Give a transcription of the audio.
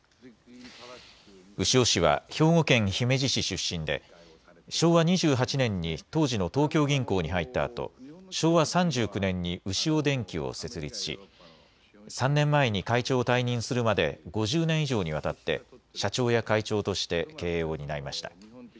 牛尾氏は兵庫県姫路市出身で昭和２８年に当時の東京銀行に入ったあと昭和３９年にウシオ電機を設立し３年前に会長を退任するまで５０年以上にわたって社長や会長として経営を担いました。